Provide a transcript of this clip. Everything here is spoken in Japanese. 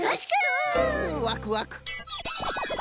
ワクワク！